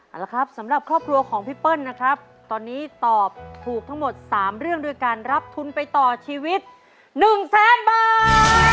เอาละครับสำหรับครอบครัวของพี่เปิ้ลนะครับตอนนี้ตอบถูกทั้งหมด๓เรื่องด้วยการรับทุนไปต่อชีวิต๑แสนบาท